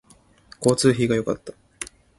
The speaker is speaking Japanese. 交通費が良かった